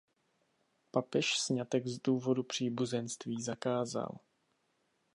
Papež sňatek z důvodu příbuzenství zakázal.